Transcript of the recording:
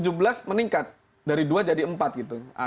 dan dua ribu tujuh belas meningkat dari dua jadi empat gitu